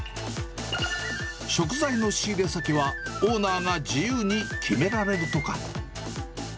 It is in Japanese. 食材の仕入れ先は、オーナーが自由に決められるとか。